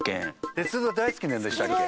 鉄道大好きなんでしたっけ？